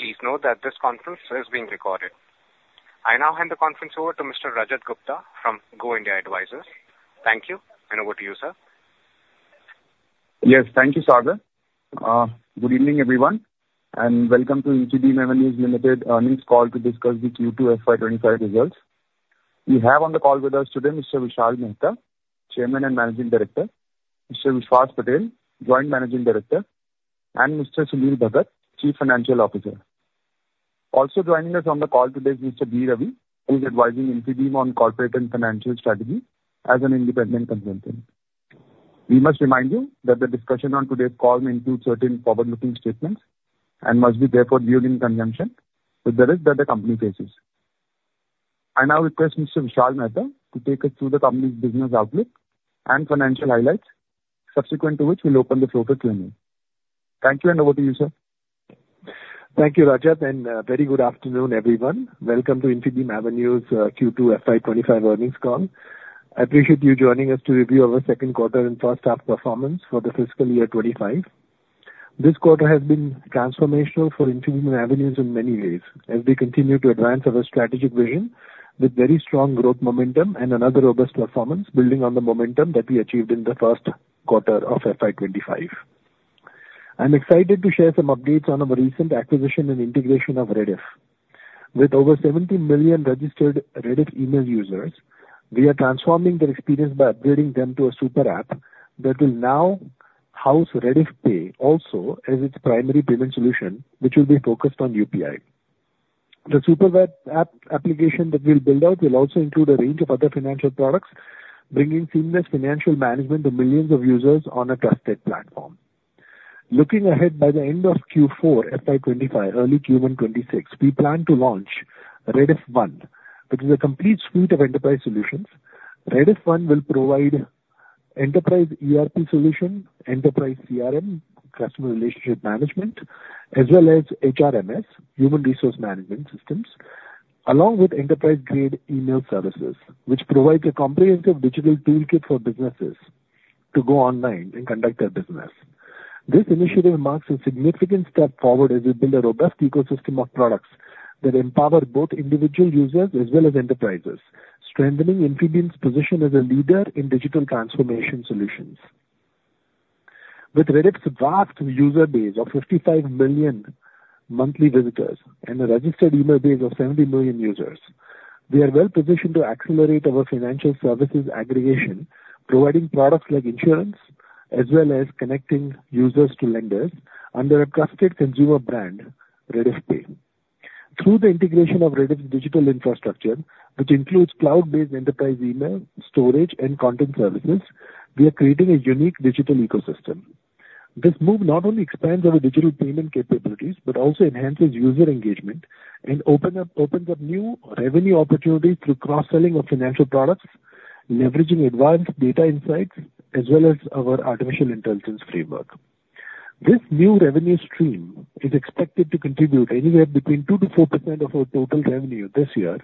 Please note that this conference is being recorded. I now hand the conference over to Mr. Rajat Gupta from Go India Advisors. Thank you, and over to you, sir. Yes, thank you, Saade. Good evening, everyone, and welcome to Infibeam Avenues Vishal Mehta's earnings call to discuss the Q2 FY25 results. We have on the call with us today Mr. Vishal Mehta, Chairman and Managing Director, Mr. Vishwas Patel, Joint Managing Director, and Mr. Sunil Bhagat, Chief Financial Officer. Also joining us on the call today is Mr. D. Ravi, who is advising Infibeam on corporate and financial strategy as an independent consultant. We must remind you that the discussion on today's call may include certain forward-looking statements and must be therefore viewed in conjunction with the risk that the company faces. I now request Mr. Vishal Mehta to take us through the company's business outlook and financial highlights, subsequent to which we'll open the floor to Q&A. Thank you, and over to you, sir. Thank you, Rajat, and very good afternoon, everyone. Welcome to Infibeam Avenues' Q2 FY25 earnings call. I appreciate you joining us to review our second quarter and first half performance for the fiscal year 2025. This quarter has been transformational for Infibeam Avenues in many ways, as we continue to advance our strategic vision with very strong growth momentum and another robust performance building on the momentum that we achieved in the first quarter of FY25. I'm excited to share some updates on our recent acquisition and integration of Rediff. With over 70 million registered Rediff email users, we are transforming their experience by upgrading them to a super app that will now house Rediff Pay also as its primary payment solution, which will be focused on UPI. The super app application that we'll build out will also include a range of other financial products, bringing seamless financial management to millions of users on a trusted platform. Looking ahead, by the end of Q4 FY25, early Q1 2026, we plan to launch Rediff One, which is a complete suite of enterprise solutions. Rediff One will provide enterprise ERP solution, enterprise CRM, customer relationship management, as well as HRMS, human resource management systems, along with enterprise-grade email services, which provides a comprehensive digital toolkit for businesses to go online and conduct their business. This initiative marks a significant step forward as we build a robust ecosystem of products that empower both individual users as well as enterprises, strengthening Infibeam's position as a leader in digital transformation solutions. With Rediff's vast user base of 55 million monthly visitors and a registered email base of 70 million users, we are well positioned to accelerate our financial services aggregation, providing products like insurance as well as connecting users to lenders under a trusted consumer brand, Rediff Pay. Through the integration of Rediff's digital infrastructure, which includes cloud-based enterprise email storage and content services, we are creating a unique digital ecosystem. This move not only expands our digital payment capabilities but also enhances user engagement and opens up new revenue opportunities through cross-selling of financial products, leveraging advanced data insights as well as our artificial intelligence framework. This new revenue stream is expected to contribute anywhere between 2% to 4% of our total revenue this year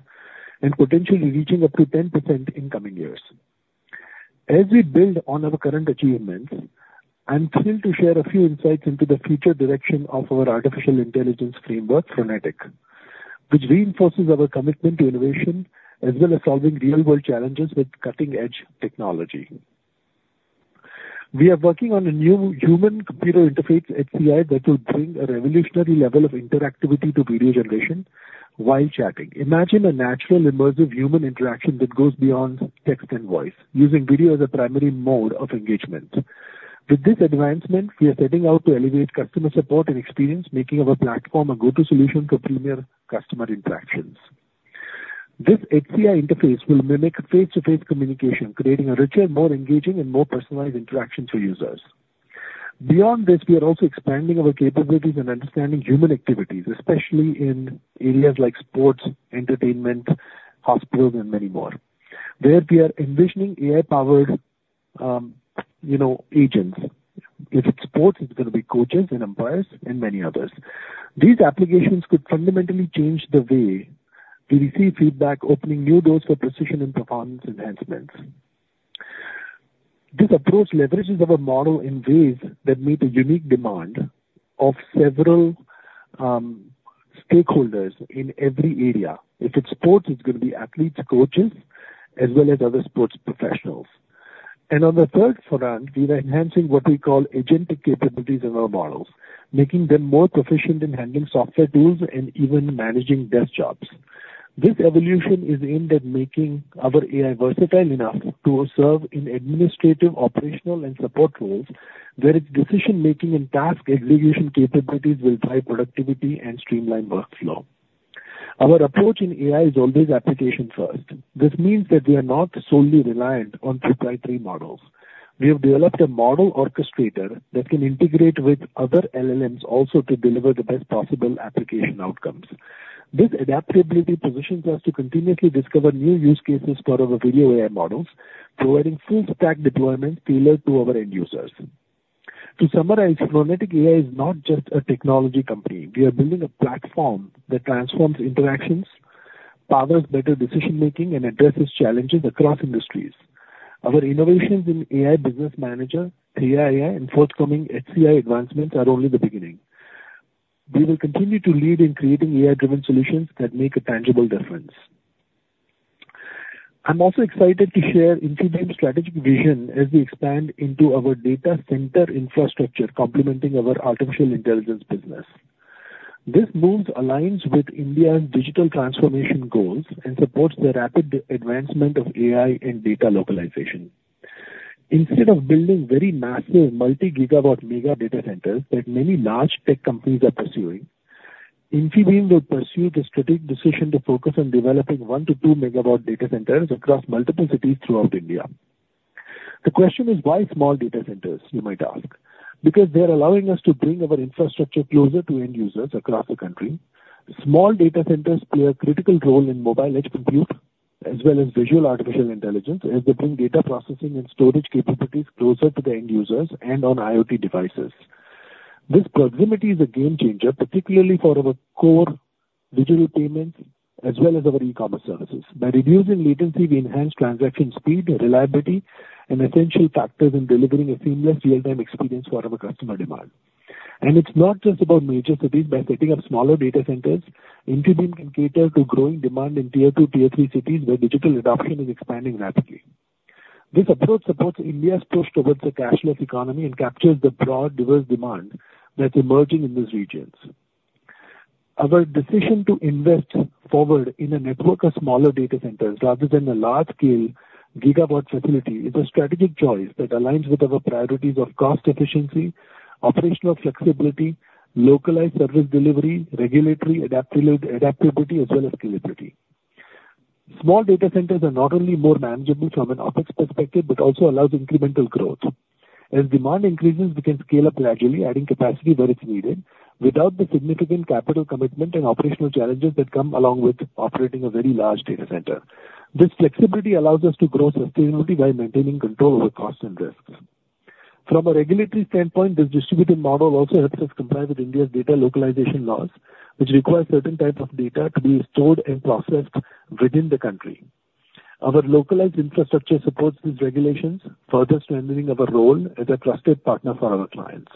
and potentially reaching up to 10% in coming years. As we build on our current achievements, I'm thrilled to share a few insights into the future direction of our artificial intelligence framework, Phronetic, which reinforces our commitment to innovation as well as solving real-world challenges with cutting-edge technology. We are working on a new human-computer interface at HCI that will bring a revolutionary level of interactivity to video generation while chatting. Imagine a natural, immersive human interaction that goes beyond text and voice, using video as a primary mode of engagement. With this advancement, we are setting out to elevate customer support and experience, making our platform a go-to solution for premier customer interactions. This HCI interface will mimic face-to-face communication, creating a richer, more engaging, and more personalized interaction for users. Beyond this, we are also expanding our capabilities and understanding human activities, especially in areas like sports, entertainment, hospitals, and many more, where we are envisioning AI-powered agents. If it's sports, it's going to be coaches and employers and many others. These applications could fundamentally change the way we receive feedback, opening new doors for precision and performance enhancements. This approach leverages our model in ways that meet a unique demand of several stakeholders in every area. If it's sports, it's going to be athletes, coaches, as well as other sports professionals. And on the third front, we are enhancing what we call agentic capabilities in our models, making them more proficient in handling software tools and even managing desk jobs. This evolution is aimed at making our AI versatile enough to serve in administrative, operational, and support roles, where its decision-making and task execution capabilities will drive productivity and streamline workflow. Our approach in AI is always application-first. This means that we are not solely reliant on proprietary models. We have developed a model orchestrator that can integrate with other LLMs also to deliver the best possible application outcomes. This adaptability positions us to continuously discover new use cases for our video AI models, providing full-stack deployments tailored to our end users. To summarize, Phronetic.AI is not just a technology company. We are building a platform that transforms interactions, powers better decision-making, and addresses challenges across industries. Our innovations in AI Business Manager, Theia, and forthcoming HCI advancements are only the beginning. We will continue to lead in creating AI-driven solutions that make a tangible difference. I'm also excited to share Infibeam's strategic vision as we expand into our data center infrastructure, complementing our artificial intelligence business. This move aligns with India's digital transformation goals and supports the rapid advancement of AI and data localization. Instead of building very massive multi-gigawatt mega data centers that many large tech companies are pursuing, Infibeam will pursue the strategic decision to focus on developing one to two-megawatt data centers across multiple cities throughout India. The question is, why small data centers, you might ask? Because they are allowing us to bring our infrastructure closer to end users across the country. Small data centers play a critical role in mobile edge compute as well as visual artificial intelligence as they bring data processing and storage capabilities closer to the end users and on IoT devices. This proximity is a game changer, particularly for our core digital payments as well as our e-commerce services. By reducing latency, we enhance transaction speed, reliability, and essential factors in delivering a seamless real-time experience for our customer demand. And it's not just about major cities. By setting up smaller data centers, Infibeam can cater to growing demand in Tier 2, Tier 3 cities where digital adoption is expanding rapidly. This approach supports India's push towards a cashless economy and captures the broad, diverse demand that's emerging in these regions. Our decision to invest forward in a network of smaller data centers rather than a large-scale gigawatt facility is a strategic choice that aligns with our priorities of cost efficiency, operational flexibility, localized service delivery, regulatory adaptability, as well as scalability. Small data centers are not only more manageable from an ops perspective but also allow incremental growth. As demand increases, we can scale up gradually, adding capacity where it's needed without the significant capital commitment and operational challenges that come along with operating a very large data center. This flexibility allows us to grow sustainably while maintaining control over costs and risks. From a regulatory standpoint, this distributed model also helps us comply with India's data localization laws, which require certain types of data to be stored and processed within the country. Our localized infrastructure supports these regulations, further strengthening our role as a trusted partner for our clients.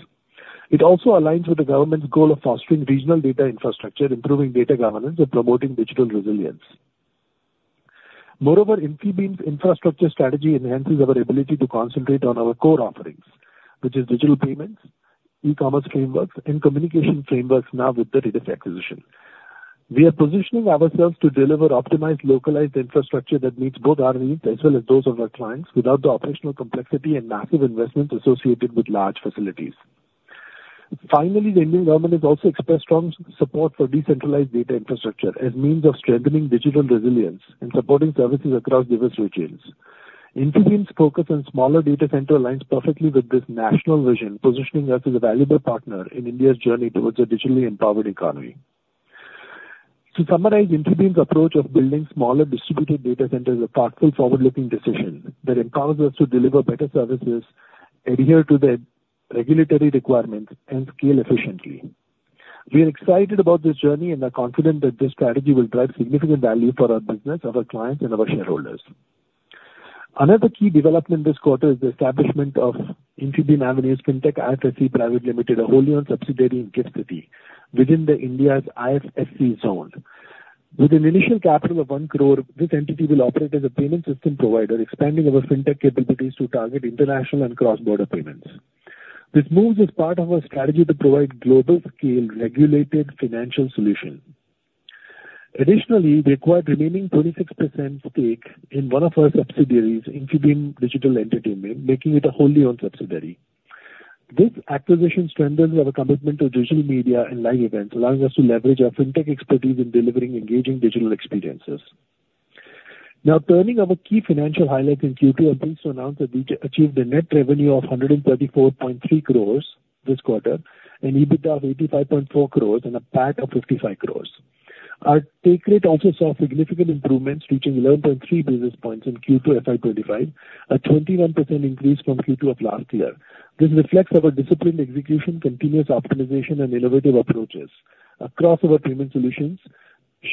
It also aligns with the government's goal of fostering regional data infrastructure, improving data governance, and promoting digital resilience. Moreover, Infibeam's infrastructure strategy enhances our ability to concentrate on our core offerings, which are digital payments, e-commerce frameworks, and communication frameworks now with the Rediff acquisition. We are positioning ourselves to deliver optimized localized infrastructure that meets both our needs as well as those of our clients without the operational complexity and massive investments associated with large facilities. Finally, the Indian government has also expressed strong support for decentralized data infrastructure as a means of strengthening digital resilience and supporting services across diverse regions. Infibeam's focus on smaller data centers aligns perfectly with this national vision, positioning us as a valuable partner in India's journey towards a digitally empowered economy. To summarize, Infibeam's approach of building smaller distributed data centers is a thoughtful, forward-looking decision that empowers us to deliver better services, adhere to the regulatory requirements, and scale efficiently. We are excited about this journey and are confident that this strategy will drive significant value for our business, our clients, and our shareholders. Another key development this quarter is the establishment of Infibeam Avenues Fintech IFSC Private Limited, a wholly-owned subsidiary in GIFT City within India's IFSC zone. With an initial capital of 1 crore, this entity will operate as a payment system provider, expanding our Fintech capabilities to target international and cross-border payments. This move is part of our strategy to provide global-scale regulated financial solutions. Additionally, we acquired the remaining 26% stake in one of our subsidiaries, Infibeam Digital Entertainment, making it a wholly-owned subsidiary. This acquisition strengthens our commitment to digital media and live events, allowing us to leverage our Fintech expertise in delivering engaging digital experiences. Now, turning to our key financial highlights in Q2, I'm pleased to announce that we achieved a net revenue of 134.3 crores this quarter, an EBITDA of 85.4 crores, and a PAT of 55 crores. Our take rate also saw significant improvements, reaching 11.3 basis points in Q2 FY25, a 21% increase from Q2 of last year. This reflects our disciplined execution, continuous optimization, and innovative approaches across our payment solutions,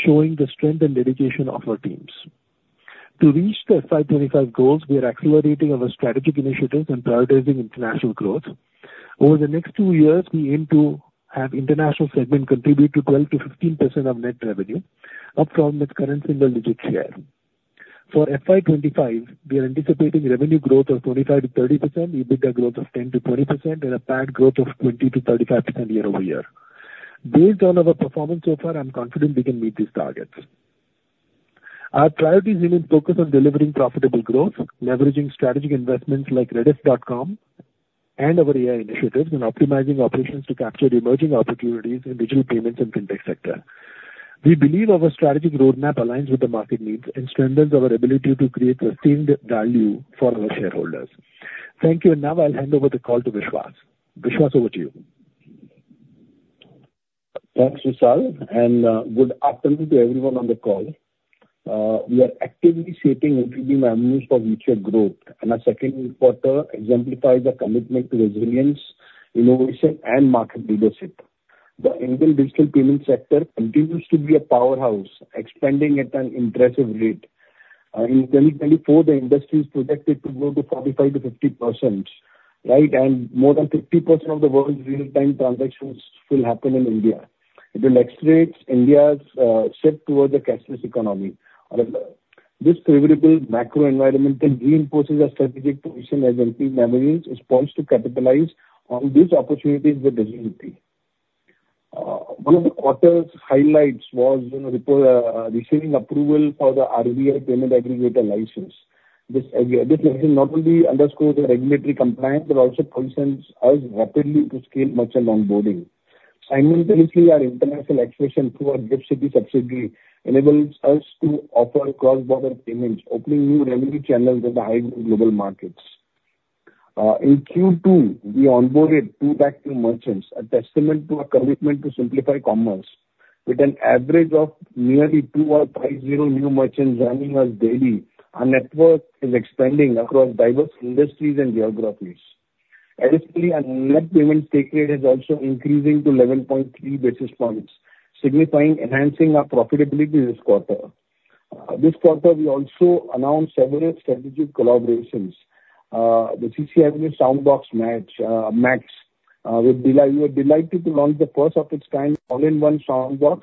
showing the strength and dedication of our teams. To reach the FY25 goals, we are accelerating our strategic initiatives and prioritizing international growth. Over the next two years, we aim to have international segment contribute to 12%-15% of net revenue, up from its current single-digit share. For FY25, we are anticipating revenue growth of 25%-30%, EBITDA growth of 10%-20%, and a PAT growth of 20%-35% year over year. Based on our performance so far, I'm confident we can meet these targets. Our priorities remain focused on delivering profitable growth, leveraging strategic investments like Rediff.com and our AI initiatives, and optimizing operations to capture emerging opportunities in digital payments and fintech sector. We believe our strategic roadmap aligns with the market needs and strengthens our ability to create sustained value for our shareholders. Thank you, and now I'll hand over the call to Vishwas. Vishwas, over to you. Thanks, Vishal, and good afternoon to everyone on the call. We are actively shaping Infibeam Avenues for future growth, and our second quarter exemplifies our commitment to resilience, innovation, and market leadership. The Indian digital payment sector continues to be a powerhouse, expanding at an impressive rate. In 2024, the industry is projected to grow to 45%-50%, right, and more than 50% of the world's real-time transactions will happen in India. It illustrates India's shift towards a cashless economy. This favorable macro environment then reinforces our strategic position as Infibeam Avenues is poised to capitalize on these opportunities with resiliency. One of the quarter's highlights was receiving approval for the RBI payment aggregator license. This license not only underscores our regulatory compliance but also positions us rapidly to scale merchant onboarding. Simultaneously, our international acquisition through our GIFT City subsidiary enables us to offer cross-border payments, opening new revenue channels in the high-growth global markets. In Q2, we onboarded two lakh merchants, a testament to our commitment to simplify commerce. With an average of nearly 200 new merchants joining us daily, our network is expanding across diverse industries and geographies. Additionally, our net payment take rate is also increasing to 11.3 basis points, signifying enhancing our profitability this quarter. This quarter, we also announced several strategic collaborations. The CCAvenue Soundbox Max with AI, we are delighted to launch the first of its kind, all-in-one Soundbox,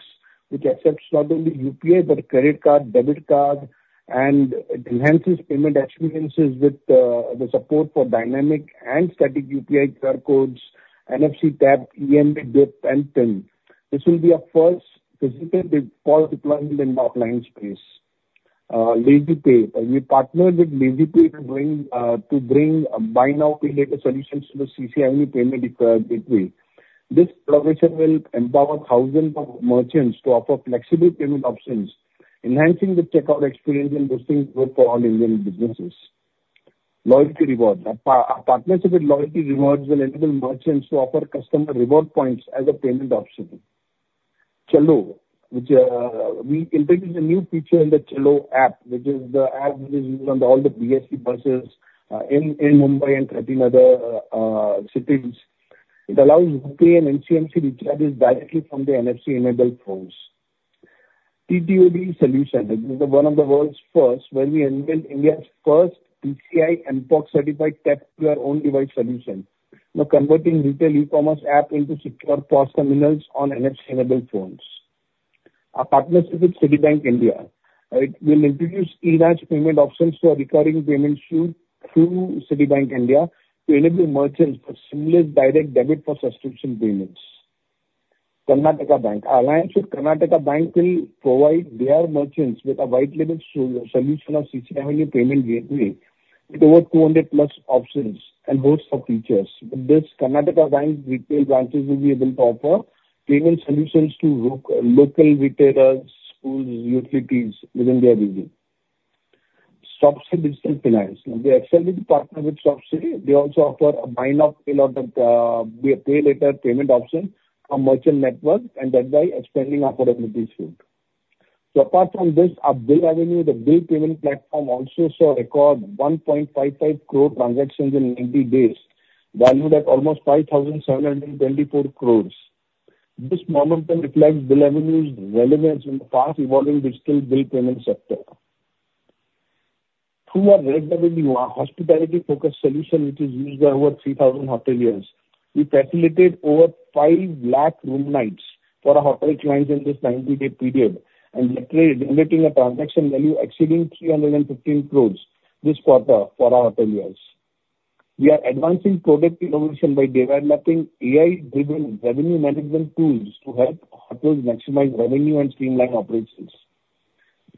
which accepts not only UPI but credit card, debit card, and enhances payment experiences with the support for dynamic and static UPI, QR codes, NFC tap, EMV, EMI, and PIN. This will be our first physical default deployment in the offline space. LazyPay, we partnered with LazyPay to bring buy-now-pay later solutions to the CCAvenue payment gateway. This collaboration will empower thousands of merchants to offer flexible payment options, enhancing the checkout experience and boosting growth for all Indian businesses. Loyalty Rewardz, our partnership with Loyalty Rewardz will enable merchants to offer customer reward points as a payment option. Chalo, we introduced a new feature in the Chalo app, which is the app that is used on all the BEST buses in Mumbai and 13 other cities. It allows UPI and NCMC to charge directly from the NFC-enabled phones. Tap to Phone Solution, this is one of the world's first, where we enabled India's first PCI MPOC-certified tech-to-your-own-device solution, converting retail e-commerce apps into secure POS terminals on NFC-enabled phones. Our partnership with Citibank India, right, will introduce e-mandate payment options for recurring payments through Citibank India to enable merchants to simulate direct debit for subscription payments. Karnataka Bank, our alliance with Karnataka Bank will provide their merchants with a white-label solution of CCAvenue payment gateway with over 200 plus options and hosts for features. With this, Karnataka Bank retail branches will be able to offer payment solutions to local retailers, schools, and utilities within their region. ShopSe Digital Finance, we are excellently partnered with ShopSe. They also offer a buy-now-pay-later payment option for merchant network and thereby expanding our affordability field. Apart from this, our BillAvenue, the bill payment platform, also saw a record 1.55 crore transactions in 90 days, valued at almost 5,724 crores. This momentum reflects BillAvenue's relevance in the fast-evolving digital bill payment sector. Through our ResAvenue, our hospitality-focused solution, which is used by over 3,000 hoteliers, we facilitated over 5 lakh room nights for our hotel clients in this 90-day period, generating a transaction value exceeding 315 crores this quarter for our hoteliers. We are advancing product innovation by developing AI-driven revenue management tools to help hotels maximize revenue and streamline operations.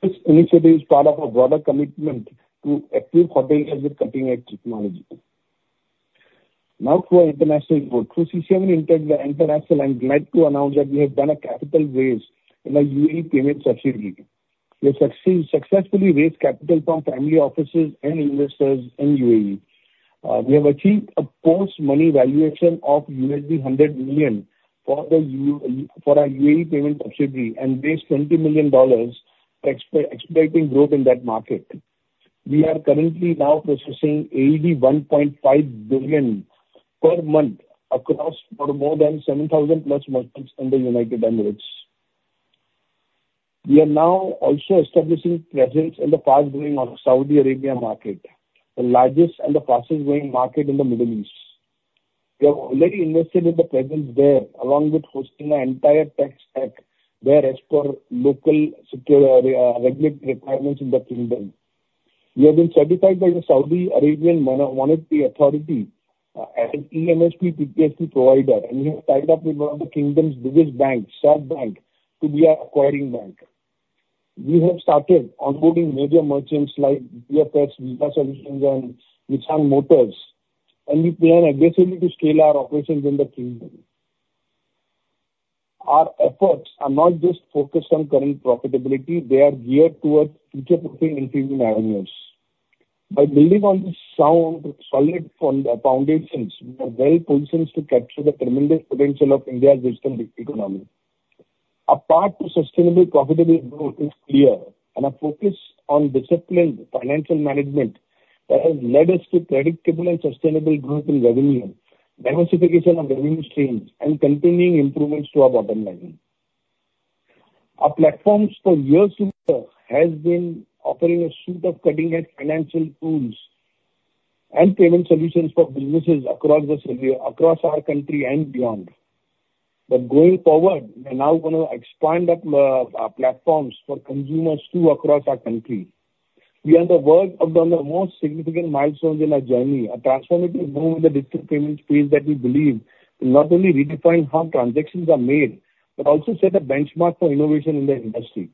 This initiative is part of a broader commitment to equip hoteliers with cutting-edge technology. Now, for international growth, through CCAvenue International, I'm glad to announce that we have done a capital raise in a UAE payment subsidiary. We have successfully raised capital from family offices and investors in UAE. We have achieved a post-money valuation of $100 million for our UAE payment subsidiary and raised $20 million for expediting growth in that market. We are currently now processing 1.5 billion per month across more than 7,000 plus merchants in the United Arab Emirates. We are now also establishing presence in the fast-growing Saudi Arabia market, the largest and the fastest-growing market in the Middle East. We have already invested in the presence there, along with hosting an entire tech stack there as per local regulatory requirements in the kingdom. We have been certified by the Saudi Arabian monetary authority as an PTSP provider, and we have tied up with one of the kingdom's biggest banks, SAB, to be our acquiring bank. We have started onboarding major merchants like VFS Visa Solutions and Nissan Motors, and we plan aggressively to scale our operations in the kingdom. Our efforts are not just focused on current profitability. They are geared towards future-proofing Infibeam Avenues. By building on solid foundations, we are well-positioned to capture the tremendous potential of India's digital economy. Our path to sustainable profitability is clear, and our focus on disciplined financial management has led us to predictable and sustainable growth in revenue, diversification of revenue streams, and continuing improvements to our bottom line. Our platforms, for years to come, have been offering a suite of cutting-edge financial tools and payment solutions for businesses across our country and beyond, but going forward, we are now going to expand our platforms for consumers too across our country. We are at the world of the most significant milestones in our journey, a transformative move in the digital payments space that we believe will not only redefine how transactions are made but also set a benchmark for innovation in the industry.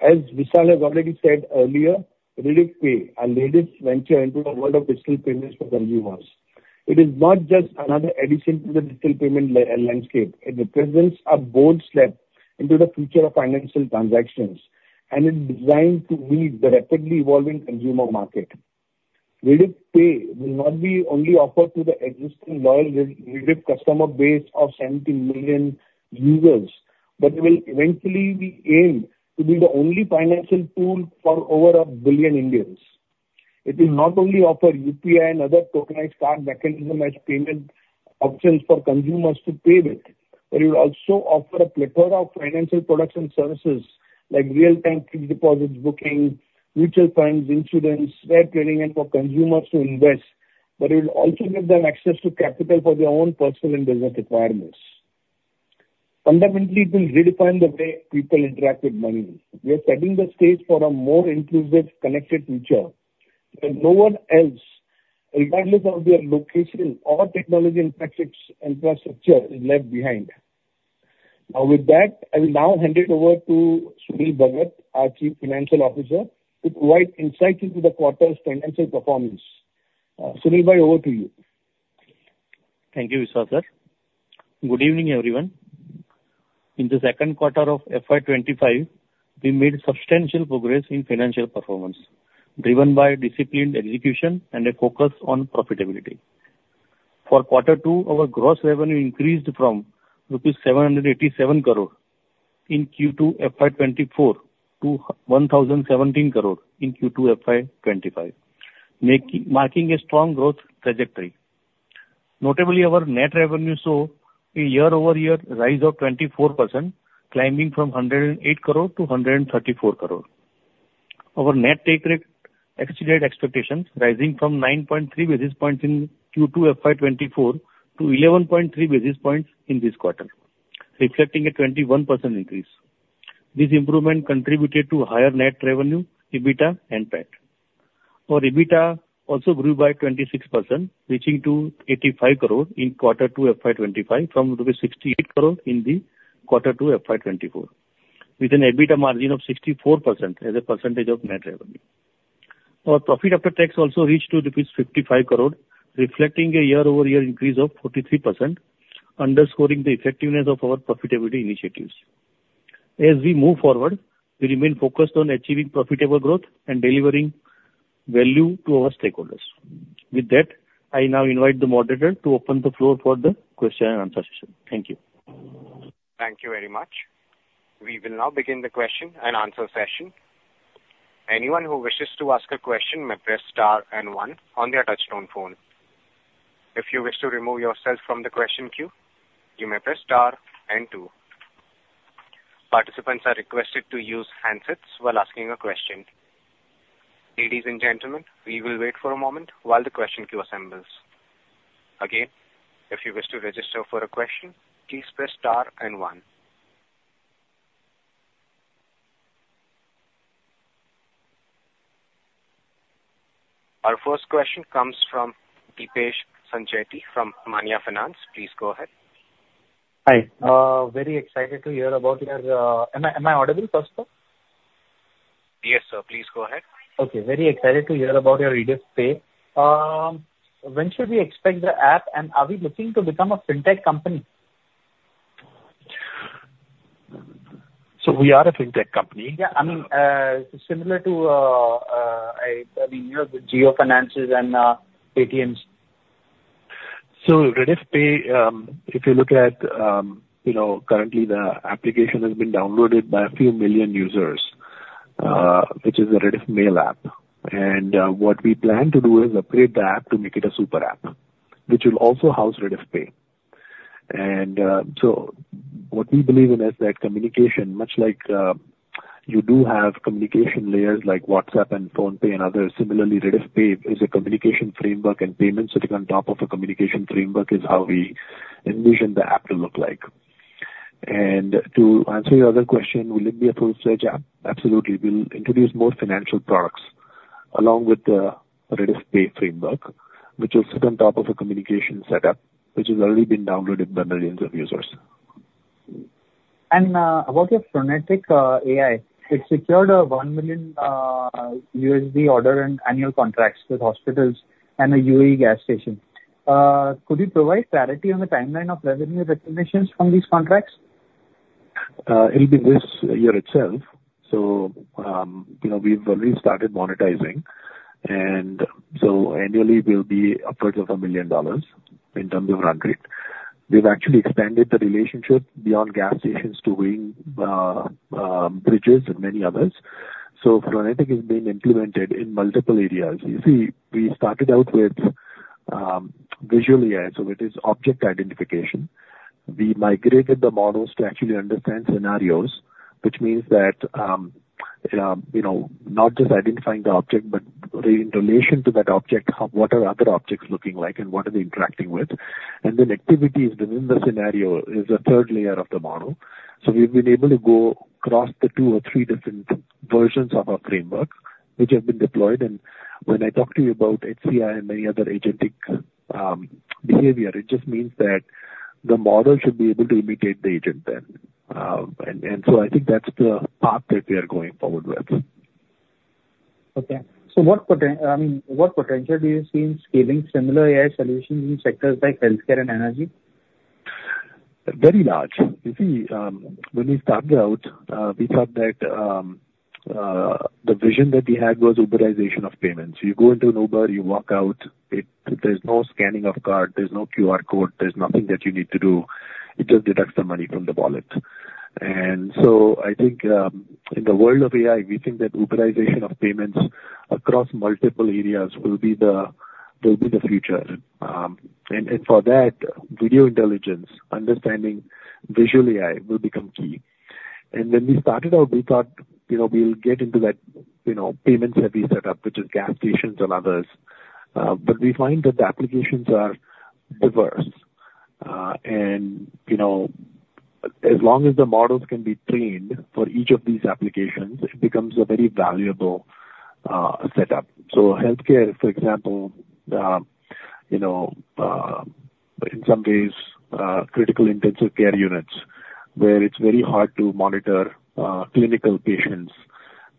As Vishal has already said earlier, Rediff Pay, our latest venture into the world of digital payments for consumers, it is not just another addition to the digital payment landscape. It represents a bold step into the future of financial transactions, and it is designed to meet the rapidly evolving consumer market. Rediff Pay will not be only offered to the existing loyal Rediff customer base of 70 million users, but it will eventually be aimed to be the only financial tool for over a billion Indians. It will not only offer UPI and other tokenized card mechanisms as payment options for consumers to pay with, but it will also offer a plethora of financial products and services like real-time fixed deposits booking, mutual funds, insurance, share trading, and for consumers to invest, but it will also give them access to capital for their own personal and business requirements. Fundamentally, it will redefine the way people interact with money. We are setting the stage for a more inclusive, connected future where no one else, regardless of their location or technology infrastructure, is left behind. Now, with that, I will now hand it over to Sunil Bhagat, our Chief Financial Officer, to provide insight into the quarter's financial performance. Sunil Bhagat, over to you. Thank you, Vishwas Sir. Good evening, everyone. In the second quarter of FY25, we made substantial progress in financial performance, driven by disciplined execution and a focus on profitability. For quarter two, our gross revenue increased from rupees 787 crore in Q2 FY24 to 1,017 crore in Q2 FY25, marking a strong growth trajectory. Notably, our net revenue saw a year-over-year rise of 24%, climbing from 108 crore to 134 crore. Our net take rate exceeded expectations, rising from 9.3 basis points in Q2 FY24 to 11.3 basis points in this quarter, reflecting a 21% increase. This improvement contributed to higher net revenue, EBITDA, and PAT. Our EBITDA also grew by 26%, reaching to 85 crore in quarter two FY25 from 68 crore in the quarter two FY24, with an EBITDA margin of 64% as a percentage of net revenue. Our profit after tax also reached to INR 55 crore, reflecting a year-over-year increase of 43%, underscoring the effectiveness of our profitability initiatives. As we move forward, we remain focused on achieving profitable growth and delivering value to our stakeholders. With that, I now invite the moderator to open the floor for the question and answer session. Thank you. Thank you very much. We will now begin the question and answer session. Anyone who wishes to ask a question may press star and one on their touch-tone phone. If you wish to remove yourself from the question queue, you may press star and two. Participants are requested to use handsets while asking a question. Ladies and gentlemen, we will wait for a moment while the question queue assembles. Again, if you wish to register for a question, please press star and one. Our first question comes from Dipesh Sancheti from Manya Finance. Please go ahead. Hi. Very excited to hear about your—am I audible, first of all? Yes, sir. Please go ahead. Okay. Very excited to hear about your Rediff Pay. When should we expect the app, and are we looking to become a fintech company? So we are a fintech company. Yeah. I mean, similar to—I mean, you have the Jio Finance and Paytm. So Rediff Pay, if you look at currently, the application has been downloaded by a few million users, which is the Rediffmail app. And what we plan to do is upgrade the app to make it a super app, which will also house Rediff Pay. What we believe in is that communication, much like you do have communication layers like WhatsApp and PhonePe and others, similarly, Rediff Pay is a communication framework, and payments sitting on top of a communication framework is how we envision the app to look like. To answer your other question, will it be a full-fledged app? Absolutely. We'll introduce more financial products along with the Rediff Pay framework, which will sit on top of a communication setup, which has already been downloaded by millions of users. About your Phronetic AI, it secured a $1 million order and annual contracts with hospitals and a UAE gas station. Could you provide clarity on the timeline of revenue recognitions from these contracts? It'll be this year itself. We've already started monetizing. Annually, we'll be upwards of $1 million in terms of run rate. We've actually expanded the relationship beyond gas stations to weighbridges and many others. So Phronetic is being implemented in multiple areas. You see, we started out with Visual AI, so it is object identification. We migrated the models to actually understand scenarios, which means that not just identifying the object, but in relation to that object, what are other objects looking like and what are they interacting with. And then activities within the scenario is a third layer of the model. So we've been able to go across the two or three different versions of our framework, which have been deployed. And when I talk to you about HCI and many other agentic behavior, it just means that the model should be able to imitate the agent then. And so I think that's the path that we are going forward with. Okay. So what potential do you see in scaling similar AI solutions in sectors like healthcare and energy? Very large. You see, when we started out, we thought that the vision that we had was Uberization of payments. You go into an Uber, you walk out, there's no scanning of card, there's no QR code, there's nothing that you need to do. It just deducts the money from the wallet. And so I think in the world of AI, we think that Uberization of payments across multiple areas will be the future. And for that, video intelligence, understanding visual AI will become key. And when we started out, we thought we'll get into that payments that we set up, which is gas stations and others. But we find that the applications are diverse. As long as the models can be trained for each of these applications, it becomes a very valuable setup. So healthcare, for example, in some ways, critical intensive care units, where it's very hard to monitor clinical patients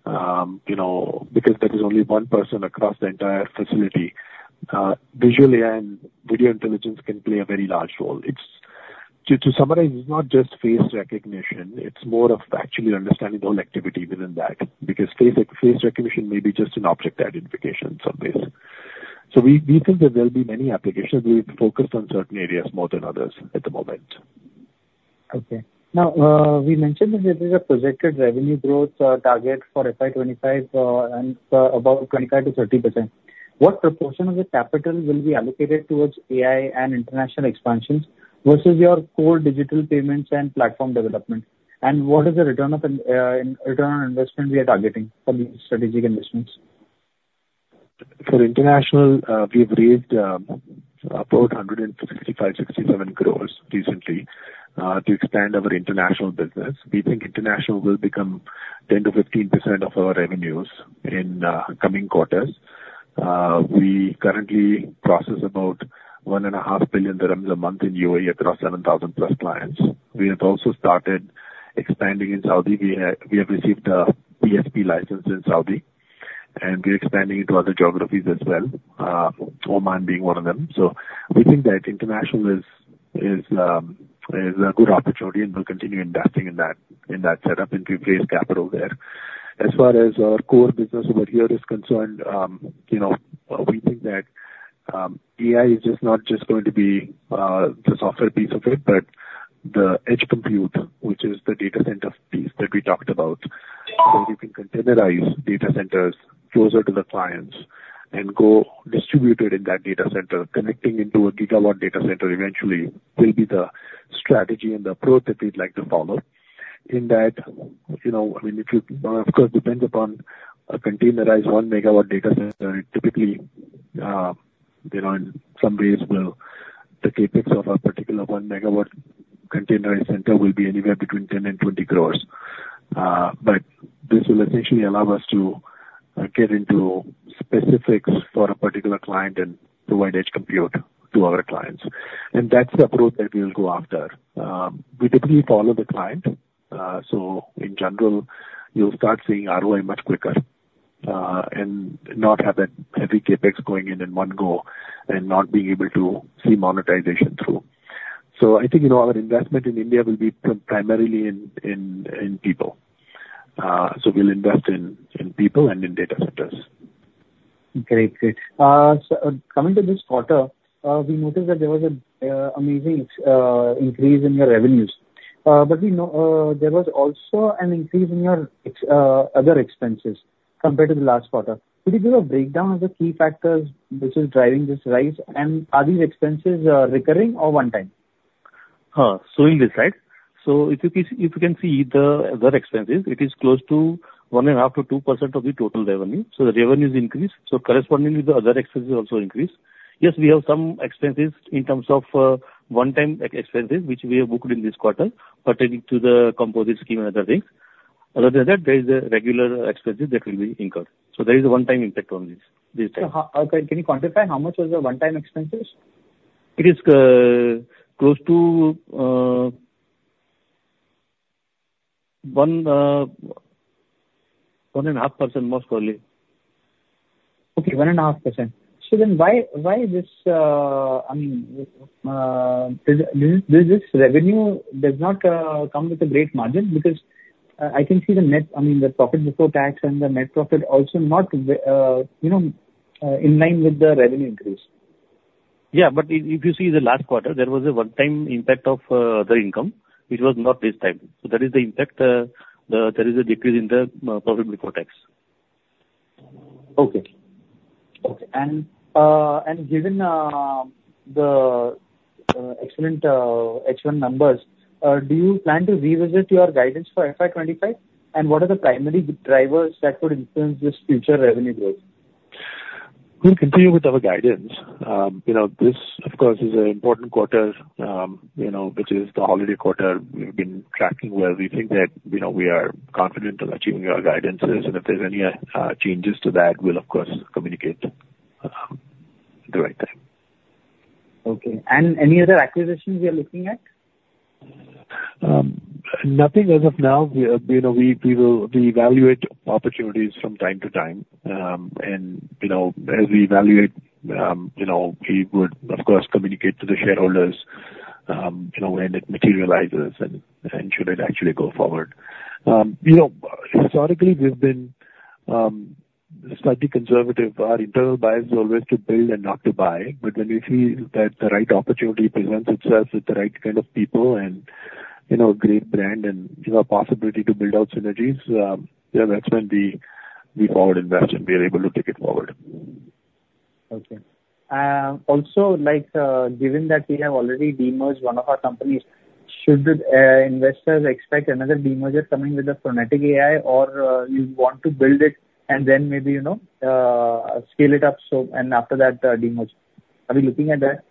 because there is only one person across the entire facility, visual AI and video intelligence can play a very large role. To summarize, it's not just face recognition. It's more of actually understanding the whole activity within that because face recognition may be just an object identification surface. So we think there will be many applications. We've focused on certain areas more than others at the moment. Okay. Now, we mentioned that there is a projected revenue growth target for FY25 and about 25%-30%. What proportion of the capital will be allocated towards AI and international expansions versus your core digital payments and platform development? What is the return on investment we are targeting for these strategic investments? For international, we've raised about 165.67 crore recently to expand our international business. We think international will become 10%-15% of our revenues in coming quarters. We currently process about 1.5 billion dirhams a month in UAE across 7,000+ clients. We have also started expanding in Saudi. We have received a PSP license in Saudi, and we're expanding into other geographies as well, Oman being one of them. We think that international is a good opportunity, and we'll continue investing in that setup and to raise capital there. As far as our core business over here is concerned, we think that AI is not just going to be the software piece of it, but the edge compute, which is the data center piece that we talked about. So we can containerize data centers closer to the clients and go distribute it in that data center. Connecting into a gigawatt data center eventually will be the strategy and the approach that we'd like to follow in that. I mean, of course, it depends upon a containerized one megawatt data center. Typically, in some ways, the CapEx of a particular one megawatt containerized center will be anywhere between 10 crore and 20 crore. But this will essentially allow us to get into specifics for a particular client and provide edge compute to our clients. And that's the approach that we will go after. We typically follow the client. So in general, you'll start seeing ROI much quicker and not have that heavy CapEx going in in one go and not being able to see monetization through. So I think our investment in India will be primarily in people. So we'll invest in people and in data centers. Great. Great. So coming to this quarter, we noticed that there was an amazing increase in your revenues. But there was also an increase in your other expenses compared to the last quarter. Could you give a breakdown of the key factors which are driving this rise? And are these expenses recurring orone-time? So in this side, so if you can see the other expenses, it is close to 1.5%-2% of the total revenue. So the revenues increase. So correspondingly, the other expenses also increase. Yes, we have some expenses in terms of one-time expenses, which we have booked in this quarter, pertaining to the composite scheme and other things. Other than that, there is the regular expenses that will be incurred. So there is a one-time impact on these types. Can you quantify how much was the one-time expenses? It is close to 1.5%, most probably. Okay. 1.5%. So then why is this? I mean, does this revenue not come with a great margin? Because I can see the net, I mean, the profit before tax and the net profit also not in line with the revenue increase. Yeah. But if you see the last quarter, there was a one-time impact of the income, which was not this time. So that is the impact. There is a decrease in the profit before tax. Okay. Okay. And given the excellent numbers, do you plan to revisit your guidance for FY25? And what are the primary drivers that could influence this future revenue growth? We'll continue with our guidance. This, of course, is an important quarter, which is the holiday quarter. We've been tracking well. We think that we are confident in achieving our guidances. And if there's any changes to that, we'll, of course, communicate at the right time. Okay. And any other acquisitions you're looking at? Nothing as of now. We will reevaluate opportunities from time to time. And as we evaluate, we would, of course, communicate to the shareholders when it materializes and should it actually go forward. Historically, we've been slightly conservative. Our internal bias is always to build and not to buy. But when we see that the right opportunity presents itself with the right kind of people and a great brand and a possibility to build out synergies, that's when we forward invest and we are able to take it forward. Okay. Also, given that we have already demerged one of our companies, should investors expect another demerger coming with the Phronetic AI, or you want to build it and then maybe scale it up and afterthat demerge? Are we looking at that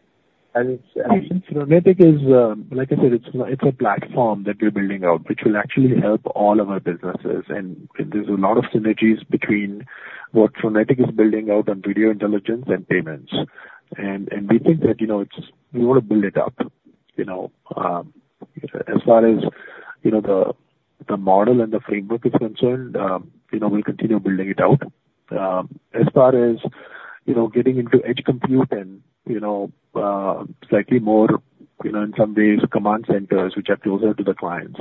as an option? I mean, Phronetic is, like I said, it's a platform that we're building out, which will actually help all of our businesses. And there's a lot of synergies between what Phronetic is building out on video intelligence and payments. And we think that we want to build it up. As far as the model and the framework is concerned, we'll continue building it out. As far as getting into edge compute and slightly more, in some ways, command centers, which are closer to the clients,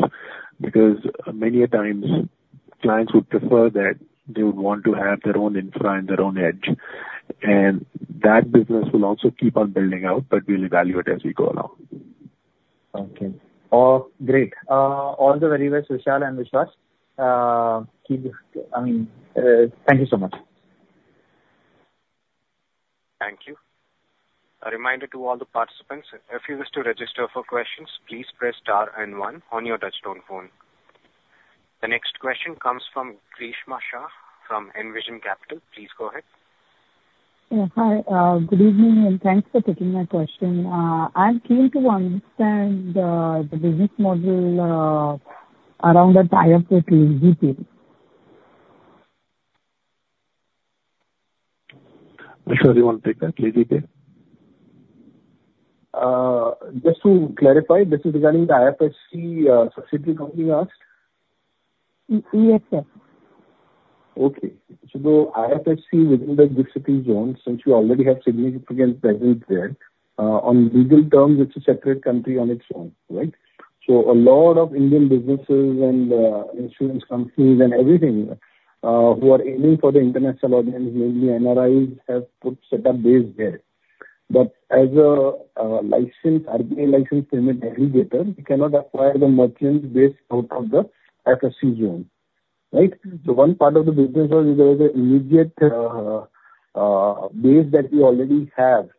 because many times, clients would prefer that they would want to have their own infra and their own edge. That business will also keep on building out, but we'll evaluate as we go along. Okay. Great. All the very best, Vishal and Vishwas. I mean, thank you so much. Thank you. A reminder to all the participants, if you wish to register for questions, please press star and one on your touch-tone phone. The next question comes from Karishma Shah from Envision Capital. Please go ahead. Hi. Good evening, and thanks for taking my question. I'm keen to understand the business model around a tie-up with LazyPay. Vishwas, you want to take that? LazyPay? Just to clarify, this is regarding the IFSC subsidiary company you asked? Yes. Okay. So IFSC within the GIFT City, since you already have significant presence there, on legal terms, it's a separate country on its own, right? So a lot of Indian businesses and insurance companies and everything who are aiming for the international audience, namely NRIs, have set up base there. But as a licensed payment aggregator, you cannot acquire the merchants based out of the IFSC zone, right? So one part of the business was there was an immediate base that we already have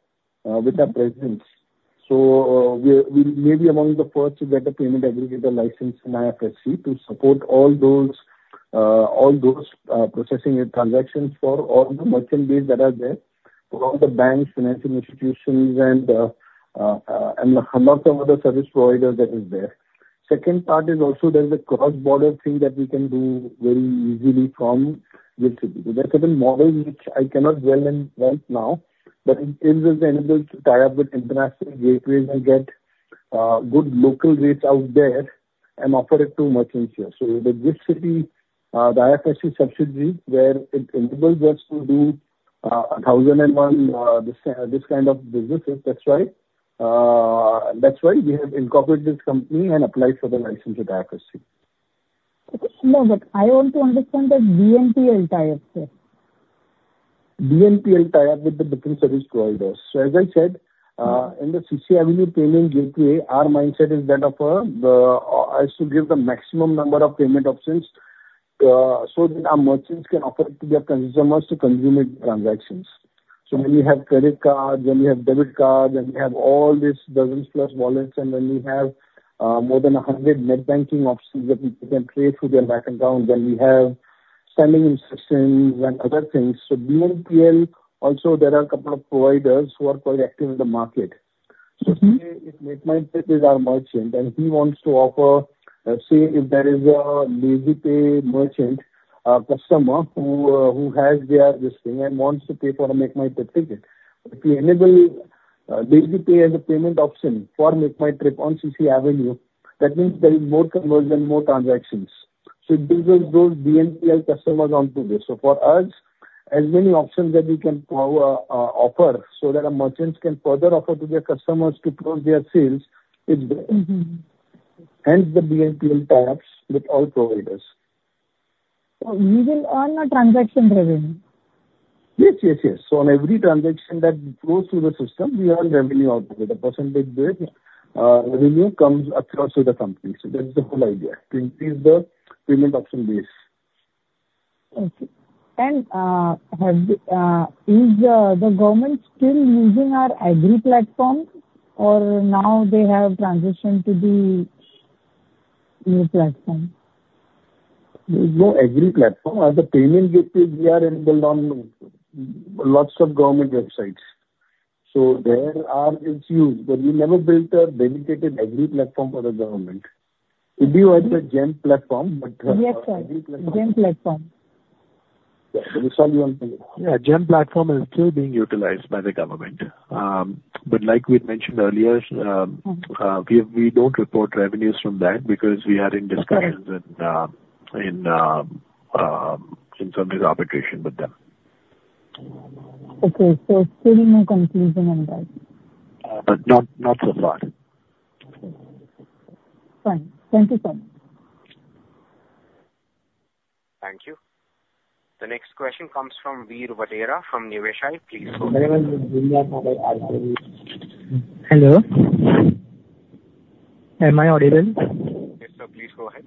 with our presence. So we may be among the first to get a payment aggregator license in IFSC to support all those processing and transactions for all the merchant base that are there, all the banks, financial institutions, and lots of other service providers that are there. Second part is also there's a cross-border thing that we can do very easily from GIFT City. There's a different model which I cannot dwell on right now, but it is enabled to tie up with international gateways and get good local rates out there and offer it to merchants here, so the GIFT IFSC, the IFSC subsidiary, where it enables us to do 1,001 this kind of businesses, that's why we have incorporated this company and applied for the license with IFSC. Okay. No, but I want to understand the BNPL tie-up here. BNPL tie-up with the different service providers, so as I said, in the CCAvenue payment gateway, our mindset is that of us to give the maximum number of payment options so that our merchants can offer it to their consumers to consume it in transactions. So when we have credit cards, when we have debit cards, and we have all these dozens plus wallets, and when we have more than 100 net banking options that we can create for their bank accounts, then we have standing instructions and other things. So BNPL, also, there are a couple of providers who are quite active in the market. So say it's MakeMyTrip is our merchant, and he wants to offer, say, if there is a LazyPay merchant customer who has their listing and wants to pay for a MakeMyTrip ticket. If we enable LazyPay as a payment option for MakeMyTrip on CCAvenue, that means there is more conversion, more transactions. So it gives us those BNPL customers onto this. So for us, as many options that we can offer, so that our merchants can further offer to their customers to close their sales, it's better. Hence the BNPL tie-ups with all providers. So we will earn a transaction revenue? Yes, yes, yes. So on every transaction that flows through the system, we earn revenue out of it. A percentage revenue comes across to the company. So that's the whole idea, to increase the payment option base. Okay. And is the government still using our agri platform, or now they have transitioned to the new platform? There is no agri platform. The payment gateways, we are enabled on lots of government websites. So there are its use, but we never built a dedicated agri platform for the government. It'd be either a GeM platform, but. Yes, sorry. GeM platform. Vishal, you want to? Yeah. GeM platform is still being utilized by the government. But like we mentioned earlier, we don't report revenues from that because we are in discussions and in some arbitration with them. Okay. So still no conclusion on that? Not so far. Okay. Fine. Thank you so much. Thank you. The next question comes from Veer Vatani, from Nuvama. Please go ahead. Hello. Am I audible? Yes, sir. Please go ahead.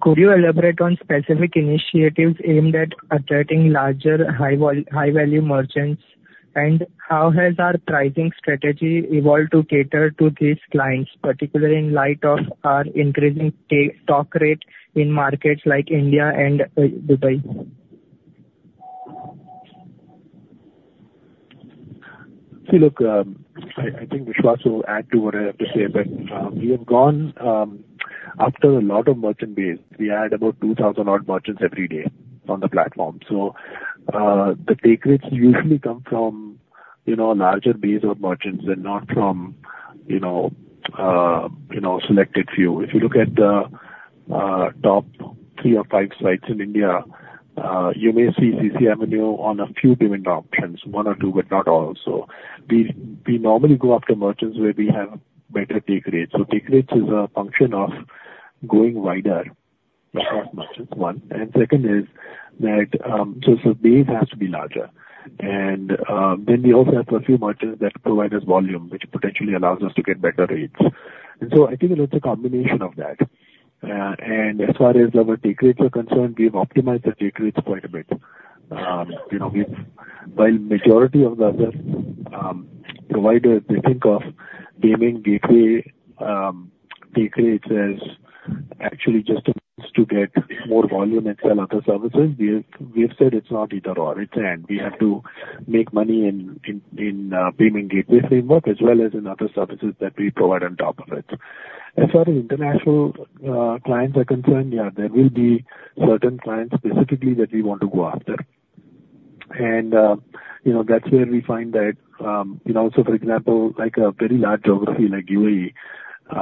Could you elaborate on specific initiatives aimed at attracting larger high-value merchants, and how has our pricing strategy evolved to cater to these clients, particularly in light of our increasing take rate in markets like India and Dubai? See, look. I think Vishwas will add to what I have to say, but we have gone after a lot of merchant base. We add about 2,000-odd merchants every day on the platform. So the take rates usually come from a larger base of merchants and not from a selected few. If you look at the top three or five sites in India, you may see CCAvenue on a few payment options, one or two, but not all. So we normally go after merchants where we have better take rates. So take rates is a function of going wider across merchants, one. And second is that so the base has to be larger. And then we also have a few merchants that provide us volume, which potentially allows us to get better rates. And so I think it's a combination of that. And as far as our take rates are concerned, we've optimized the take rates quite a bit. While the majority of the other providers, they think of payment gateway take rates as actually just a means to get more volume and sell other services, we've said it's not either/or. It's an and. We have to make money in payment gateway framework as well as in other services that we provide on top of it. As far as international clients are concerned, yeah, there will be certain clients specifically that we want to go after, and that's where we find that, for example, a very large geography like UAE, we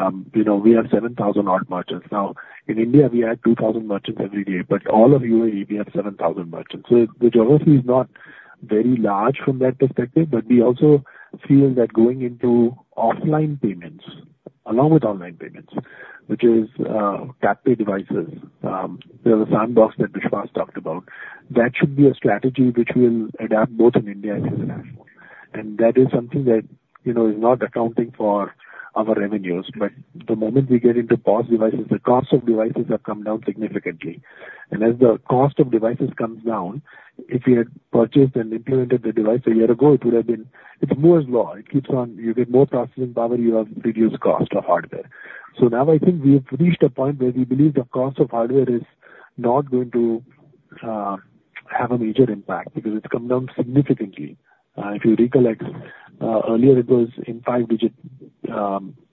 have 7,000-odd merchants. Now, in India, we add 2,000 merchants every day, but all of UAE, we have 7,000 merchants, so the geography is not very large from that perspective, but we also feel that going into offline payments, along with online payments, which is tap-to-devices, the Soundbox that Vishwas talked about, that should be a strategy which will adapt both in India and international, and that is something that is not accounting for our revenues, but the moment we get into POS devices, the cost of devices have come down significantly. As the cost of devices comes down, if we had purchased and implemented the device a year ago, it would have been. It's Moore's Law. It keeps on you get more processing power, you have reduced cost of hardware. So now I think we've reached a point where we believe the cost of hardware is not going to have a major impact because it's come down significantly. If you recollect, earlier it was in five-digit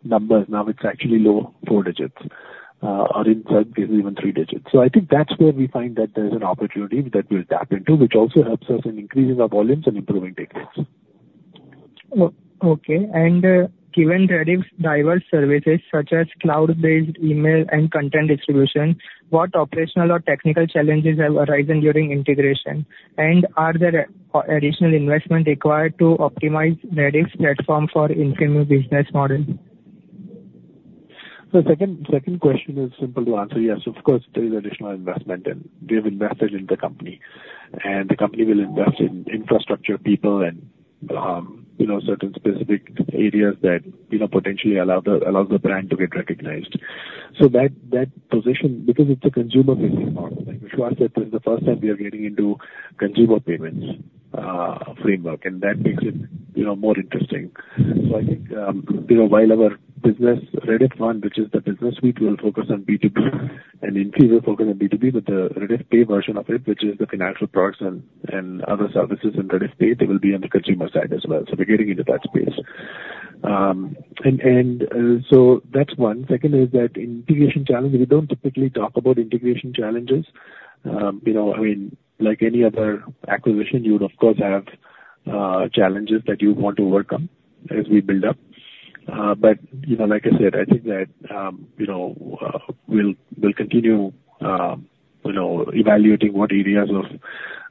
numbers. Now it's actually low four digits, or in some cases, even three digits. So I think that's where we find that there's an opportunity that we'll tap into, which also helps us in increasing our volumes and improving take rates. Okay. Given Rediff's diverse services such as cloud-based email and content distribution, what operational or technical challenges have arisen during integration? And are there additional investments required to optimize Rediff's platform for in-family business model? The second question is simple to answer. Yes, of course, there is additional investment, and we have invested in the company. And the company will invest in infrastructure, people, and certain specific areas that potentially allow the brand to get recognized. So that position, because it's a consumer-facing model, Vishwas said this is the first time we are getting into consumer payments framework, and that makes it more interesting. So I think while our business Rediff One, which is the business suite, will focus on B2B, and in theory, we'll focus on B2B, but the Rediff Pay version of it, which is the financial products and other services in Rediff Pay, they will be on the consumer side as well. So we're getting into that space. And so that's one. Second is that integration challenge. We don't typically talk about integration challenges. I mean, like any other acquisition, you would, of course, have challenges that you want to work on as we build up. But like I said, I think that we'll continue evaluating what areas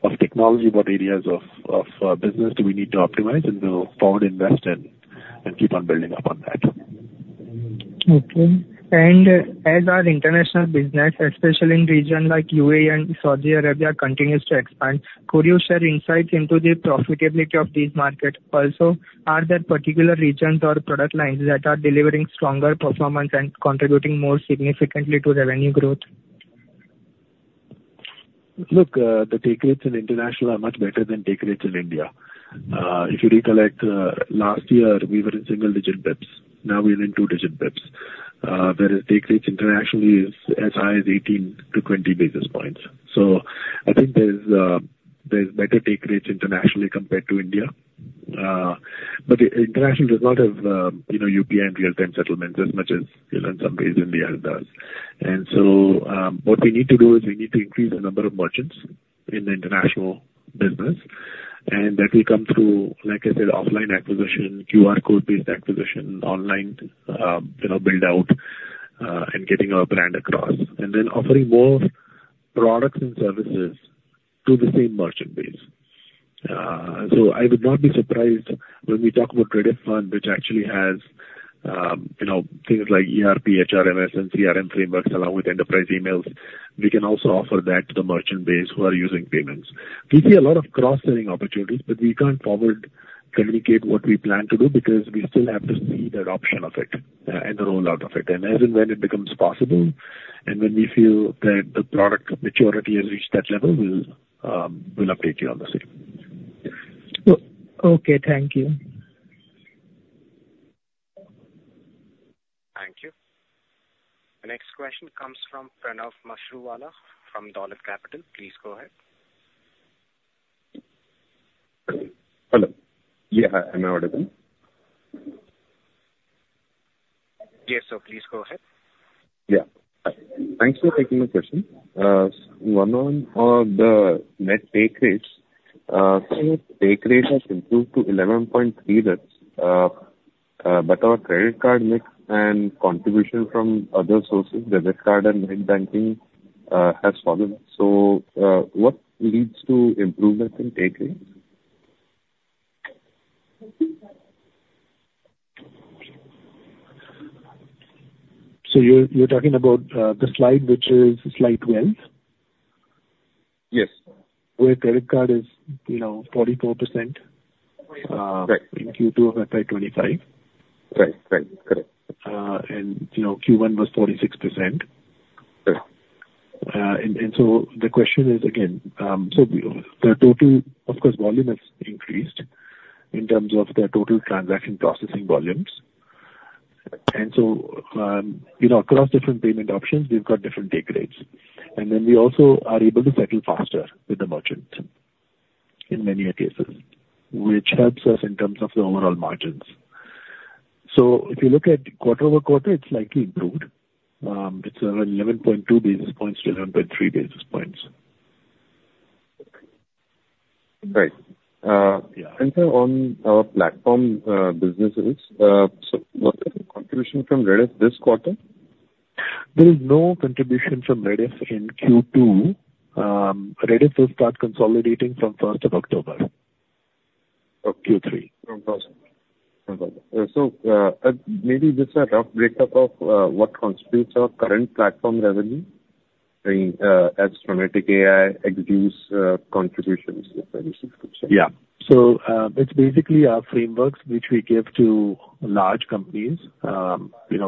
of technology, what areas of business do we need to optimize, and we'll forward invest and keep on building up on that. Okay. And as our international business, especially in regions like UAE and Saudi Arabia, continues to expand, could you share insights into the profitability of these markets? Also, are there particular regions or product lines that are delivering stronger performance and contributing more significantly to revenue growth? Look, the take rates in international are much better than take rates in India. If you recollect, last year, we were in single-digit basis points. Now we are in two-digit basis points. Whereas take rates internationally are as high as 18-20 basis points. So I think there's better take rates internationally compared to India. But international does not have UPI and real-time settlements as much as in some ways India does. And so what we need to do is we need to increase the number of merchants in the international business, and that will come through, like I said, offline acquisition, QR code-based acquisition, online build-out, and getting our brand across, and then offering more products and services to the same merchant base. So I would not be surprised when we talk about Rediff One, which actually has things like ERP, HRMS, and CRM frameworks along with enterprise emails. We can also offer that to the merchant base who are using payments. We see a lot of cross-selling opportunities, but we can't forward communicate what we plan to do because we still have to see the adoption of it and the rollout of it. And as and when it becomes possible, and when we feel that the product maturity has reached that level, we'll update you on the same. Okay. Thank you. Thank you. The next question comes from Pranav Mashruwala from Dolat Capital. Please go ahead. Hello. Yeah. Am I audible? Yes, sir. Please go ahead. Yeah. Thanks for taking the question. One on the net take rates. So take rate has improved to 11.3%, but our credit card mix and contribution from other sources, debit card and net banking, has fallen. So what leads to improvement in take rates? So you're talking about the slide, which is slide 12? Yes. Where credit card is 44% in Q2 of FY25. Right. Right. Correct. And Q1 was 46%. And so the question is, again, so the total, of course, volume has increased in terms of the total transaction processing volumes. And so across different payment options, we've got different take rates. And then we also are able to settle faster with the merchants in many cases, which helps us in terms of the overall margins. So if you look at quarter over quarter, it's slightly improved. It's 11.2 basis points to 11.3 basis points. Right. And on our platform businesses, so what is the contribution from Rediff this quarter? There is no contribution from Rediff in Q2. Rediff will start consolidating from 1st of October of Q3. So maybe just a rough breakup of what constitutes our current platform revenue as Phronetic AI exclude contributions. Yeah. So it's basically our frameworks, which we give to large companies. We,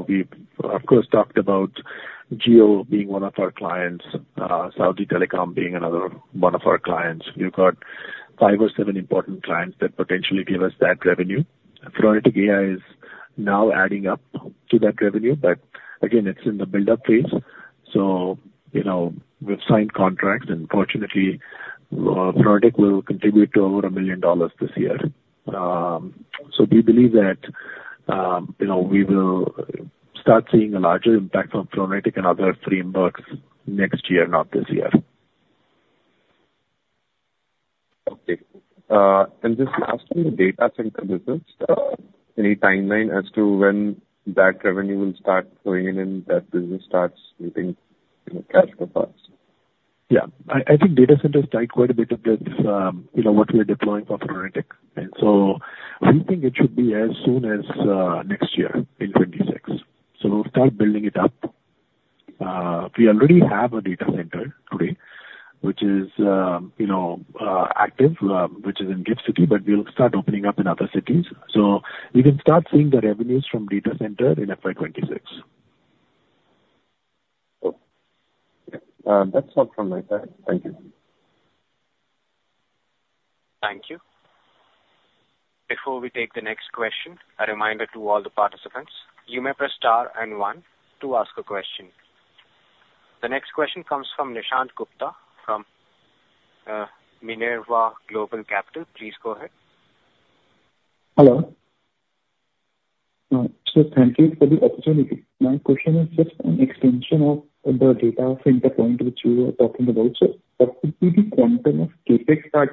of course, talked about Jio being one of our clients, Saudi Telecom being another one of our clients. We've got five or seven important clients that potentially give us that revenue. Phronetic AI is now adding up to that revenue, but again, it's in the build-up phase. So we've signed contracts, and fortunately, Phronetic will contribute to over $1 million this year. So we believe that we will start seeing a larger impact from Phronetic and other frameworks next year, not this year. Okay. And just lastly, data center business, any timeline as to when that revenue will start going in and that business starts meeting cash profiles? Yeah. I think data centers tied quite a bit to what we're deploying for Phronetic. And so we think it should be as soon as next year, in 2026. So we'll start building it up. We already have a data center today, which is active, which is in GIFT City, but we'll start opening up in other cities. So we can start seeing the revenues from data center in FY26. That's all from my side. Thank you. Thank you. Before we take the next question, a reminder to all the participants. You may press star and one to ask a question. The next question comes from Nishant Gupta from Minerva Global Capital. Please go ahead. Hello. So thank you for the opportunity. My question is just an extension of the data center point, which you were talking about. So what would be the quantum of CapEx that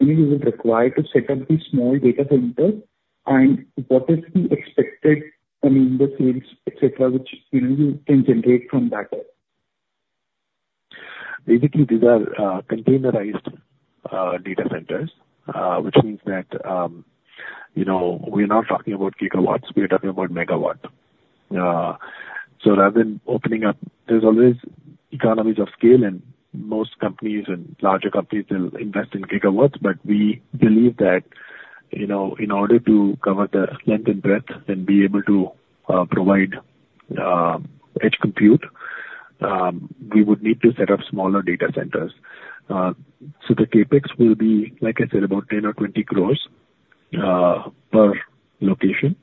you would require to set up these small data centers? And what is the expected amount of sales, etc., which you can generate from that? Basically, these are containerized data centers, which means that we're not talking about gigawatts. We're talking about megawatts, so rather than opening up, there's always economies of scale, and most companies and larger companies will invest in gigawatts, but we believe that in order to cover the length and breadth and be able to provide edge compute, we would need to set up smaller data centers. The CapEx will be, like I said, about INR 10-20 crore per location.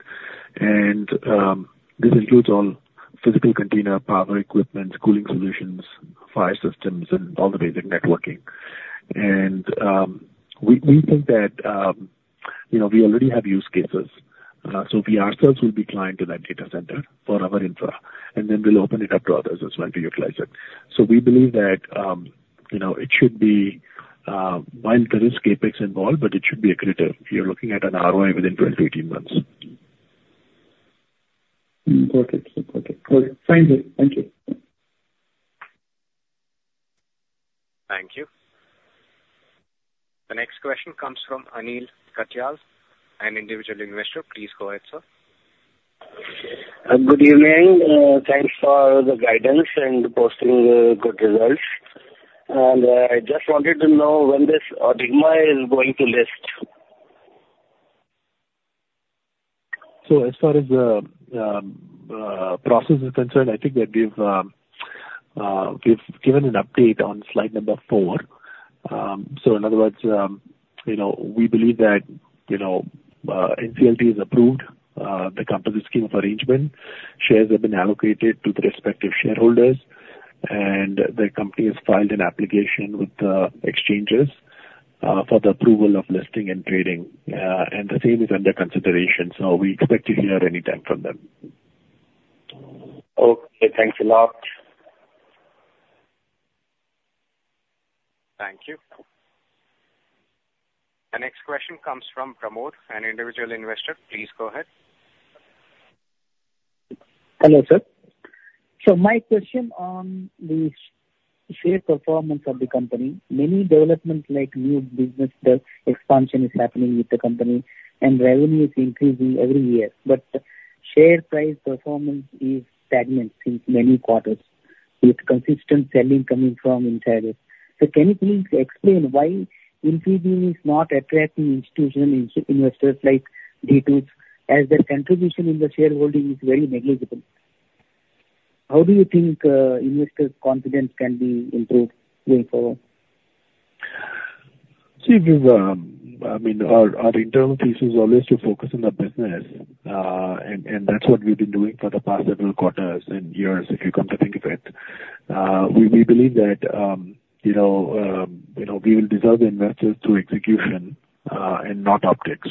This includes all physical container power equipment, cooling solutions, fire systems, and all the basic networking. We think that we already have use cases, so we ourselves will be client to that data center for our infra, and then we'll open it up to others as well to utilize it. We believe that it should be accretive while there is CapEx involved. You're looking at an ROI within 12-18 months. Important. Important. Thank you. Thank you. Thank you. The next question comes from Anil Kajal, an individual investor. Please go ahead, sir. Good evening. Thanks for the guidance and posting the good results. And I just wanted to know when this Odigma is goingto list. So as far as the process is concerned, I think that we've given an update on slide number four. So in other words, we believe that NCLT is approved, the company's scheme of arrangement, shares have been allocated to the respective shareholders, and the company has filed an application with the exchanges for the approval of listing and trading. And the same is under consideration. So we expect to hear anytime from them. Okay. Thanks a lot. Thank you. The next question comes from Pramod, an individual investor. Please go ahead. Hello, sir. My question on the share performance of the company. Many developments like new business expansion is happening with the company, and revenue is increasing every year. But share price performance is stagnant since many quarters with consistent selling coming from insiders. Can you please explain why the stock is not attracting institutional investors like DIIs as their contribution in the shareholding is very negligible? How do you think investor confidence can be improved going forward? See, I mean, our internal policy is always to focus on the business, and that's what we've been doing for the past several quarters and years, if you come to think of it. We believe that we will attract investors through execution and not optics.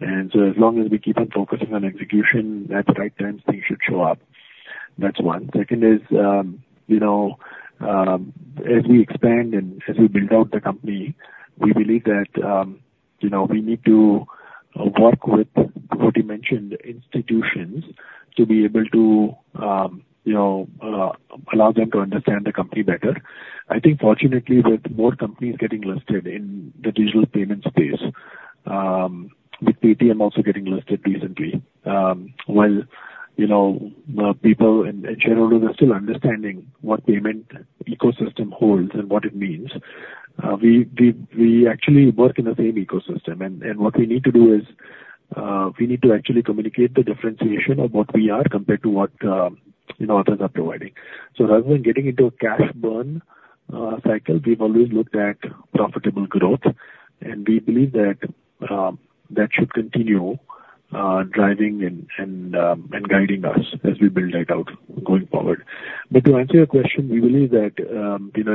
And so as long as we keep on focusing on execution at the right times, things should show up. That's one. Second is, as we expand and as we build out the company, we believe that we need to work with, what you mentioned, institutions to be able to allow them to understand the company better. I think, fortunately, with more companies getting listed in the digital payment space, with Paytm also getting listed recently, while people and shareholders are still understanding what payment ecosystem holds and what it means, we actually work in the same ecosystem, and what we need to do is we need to actually communicate the differentiation of what we are compared to what others are providing, so rather than getting into a cash burn cycle, we've always looked at profitable growth, and we believe that that should continue driving and guiding us as we build it out going forward. But to answer your question, we believe that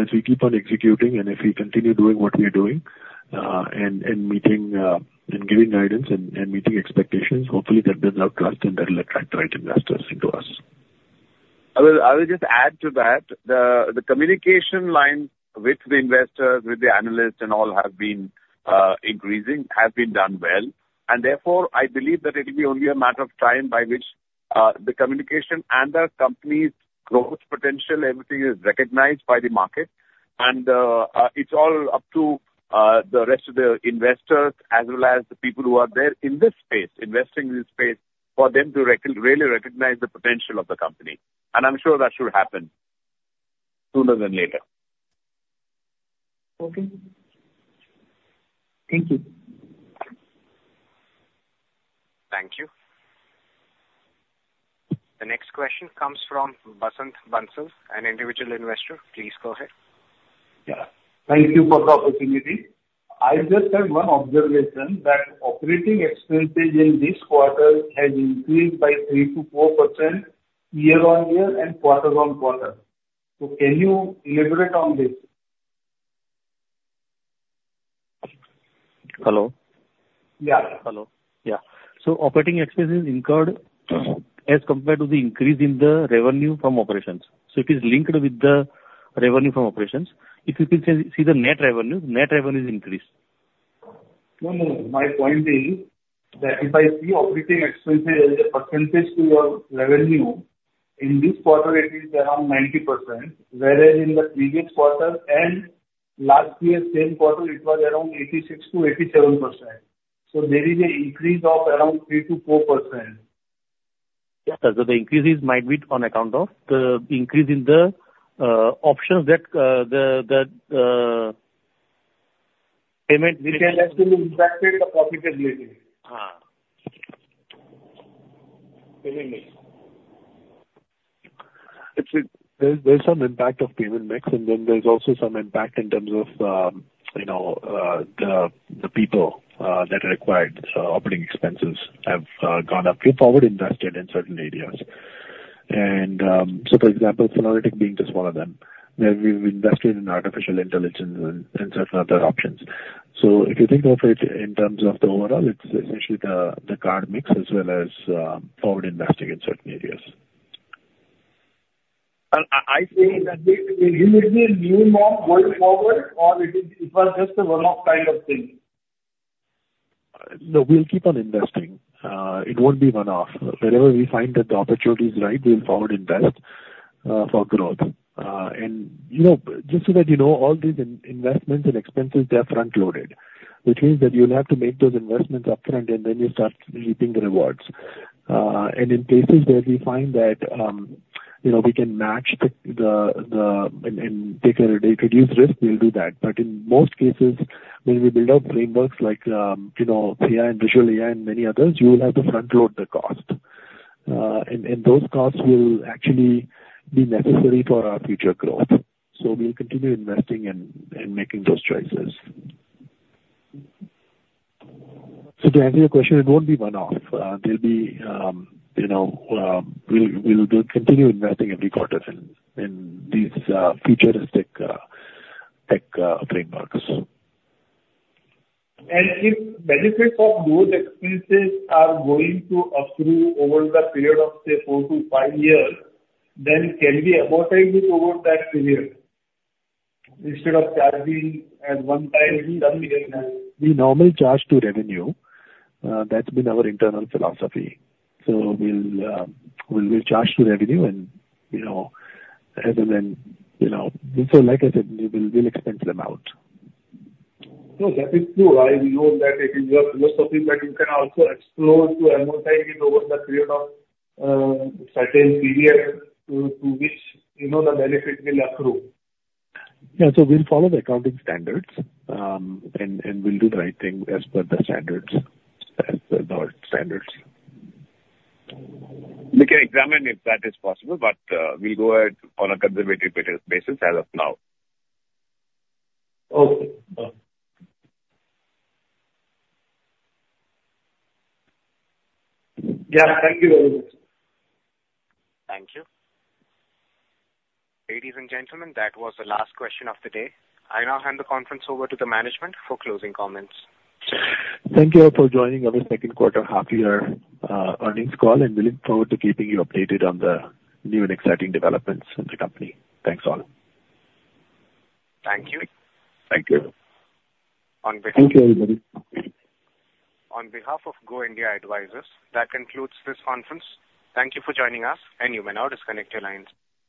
as we keep on executing and if we continue doing what we are doing and meeting and giving guidance and meeting expectations, hopefully, that builds our trust, and that will attract the right investors into us. I will just add to that the communication line with the investors, with the analysts, and all have been increasing, has been done well. And therefore, I believe that it will be only a matter of time by which the communication and the company's growth potential, everything is recognized by the market. And it's all up to the rest of the investors as well as the people who are there in this space, investing in this space, for them to really recognize the potential of the company. And I'm sure that should happen sooner than later. Okay. Thank you. Thank you. The next question comes from Basant Bansal, an individual investor. Please go ahead. Yeah. Thank you for the opportunity. I just have one observation that operating expenses in this quarter have increased by 3-4% year on year and quarter on quarter. So can you elaborate on this? Hello? Yeah. Hello. Yeah. So operating expenses incurred as compared to the increase in the revenue from operations. So it is linked with the revenue from operations. If you can see the net revenue, net revenue has increased. No, no. My point is that if I see operating expenses as a percentage to your revenue, in this quarter, it is around 90%, whereas in the previous quarter and last year, same quarter, it was around 86-87%. So there is an increase of around 3-4%. Yeah, sir. So the increase might be on account of the increase in the options that the payment retailers can impact the profitability. There's some impact of payment mix, and then there's also some impact in terms of the people that are required. Operating expenses have gone up. We've forward invested in certain areas. And so, for example, Phronetic being just one of them, where we've invested in artificial intelligence and certain other options. So if you think of it in terms of the overall, it's essentially the card mix as well as forward invest ing in certain areas. I see that. Will it be a new norm going forward, or it was just a one-off kind of thing? No, we'll keep on investing. It won't be one-off. Whenever we find that the opportunity is right, we'll forward invest for growth. Just so that you know, all these investments and expenses, they're front-loaded, which means that you'll have to make those investments upfront, and then you start reaping the rewards. In cases where we find that we can match them and reduce risk, we'll do that. In most cases, when we build out frameworks like AI and Visual AI and many others, you will have to front-load the cost. Those costs will actually be necessary for our future growth. We'll continue investing and making those choices. To answer your question, it won't be one-off. There'll be. We'll continue investing every quarter in these futuristic tech frameworks. If benefits of those expenses are going to accrue over the period of, say, four to five years, then can we amortize it over that period instead of charging at one time? We normally charge to revenue. That's been our internal philosophy. So we'll charge to revenue, and other than so like I said, we'll expense them out. So that is true. I know that it is your philosophy that you can also explore to amortize it over the period of a certain period to which the benefit will accrue. Yeah. So we'll follow the accounting standards, and we'll do the right thing as per the standards. We can examine if that is possible, but we'll go ahead on a conservative basis as of now. Okay. Yeah. Thank you very much. Thank you. Ladies and gentlemen, that was the last question of the day. I now hand the conference over to the management for closing comments. Thank you all for joining our second quarter half-year earnings call, and we look forward to keeping you updated on the new and exciting developments in the company. Thanks all. Thank you. Thank you. Thank you, everybody. On behalf of Go India Advisors, that concludes this conference. Thank you for joining us, and you may now disconnect your lines.